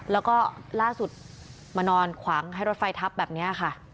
แล้วก็ล่าสุดมานอนขวางให้รถไฟทับแบบนี้ค่ะ